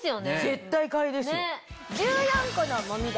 絶対買いですよ。